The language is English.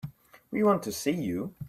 We want to see you.